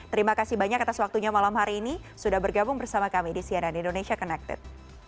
terima kasih banyak atas waktunya malam hari ini sudah bergabung bersama kami di cnn indonesia connected